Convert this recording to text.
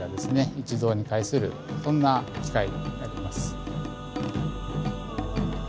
一堂に会するそんな機会になります。